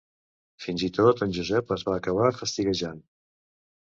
Fins i tot en Josep es va acabar fastiguejant.